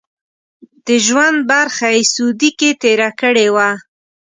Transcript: د ژوند برخه یې سعودي کې تېره کړې وه.